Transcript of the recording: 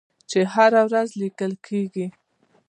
چې هره ورځ لیکل کیږي.